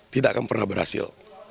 tidak akan pernah berhasil